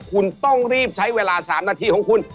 คุณต้องรีบใช้เวลา๓นาทีของคุณ